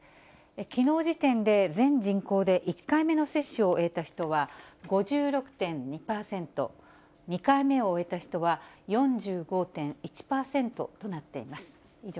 きのう時点で全人口で１回目の接種を終えた人は５６．２％、２回目を終えた人は４５．１％となっています。